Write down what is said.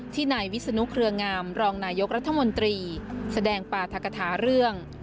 นายวิศนุเครืองามรองนายกรัฐมนตรีแสดงปราธกฐาเรื่อง